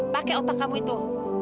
pakai otak kamu itu